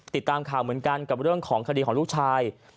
ติดตามข่าวเหมือนกันกับเรื่องของคดีของลูกชาย